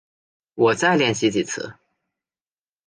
我再练习几次